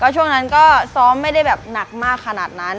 ช่วงนั้นก็ซ้อมไม่ได้แบบหนักมากขนาดนั้น